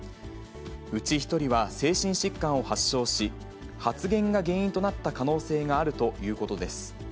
うち１人は精神疾患を発症し、発言が原因となった可能性があるということです。